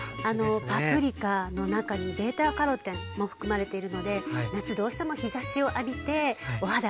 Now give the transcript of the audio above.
パプリカの中にベータカロテンも含まれているので夏どうしても日ざしを浴びてお肌しみ気になりますよね。